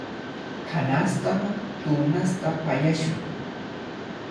Kanastaman tunasta pallashun.